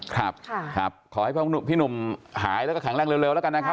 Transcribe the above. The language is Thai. ครับขอให้พี่หนุ่มหายแล้วก็แข็งแรงเร็วแล้วกันนะครับ